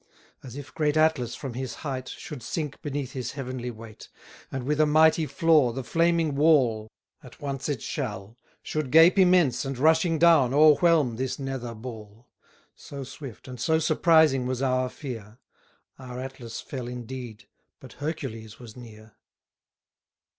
As if great Atlas from his height Should sink beneath his heavenly weight, And with a mighty flaw, the flaming wall (At once it shall), Should gape immense, and rushing down, o'erwhelm this nether ball; So swift and so surprising was our fear: Our Atlas fell indeed, but Hercules was near.